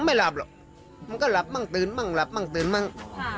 ไม่หลับหรอกมันก็หลับมั่งตื่นมั่งหลับมั่งตื่นมั่ง